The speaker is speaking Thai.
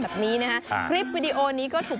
แบบนี้นะฮะคลิปวิดีโอนี้ก็ถูก